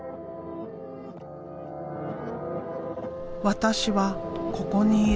私はここにいる。